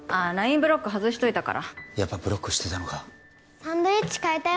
ブロック外しといたからやっぱブロックしてたのかサンドイッチ買えたよ